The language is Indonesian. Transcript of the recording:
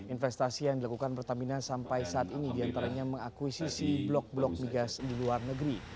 investasi yang dilakukan pertamina sampai saat ini diantaranya mengakuisisi blok blok migas di luar negeri